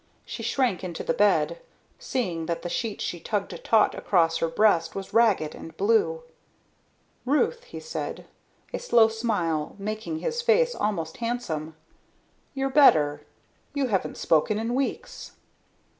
She shrank into the bed, seeing that the sheet she tugged taut across her breast was ragged and blue. "Ruth," he said, a slow smile making his face almost handsome, "you're better. You haven't spoken in weeks."